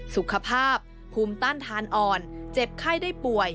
สุขภาพภูมิต้านทานอ่อนเจ็บไข้ได้ป่วย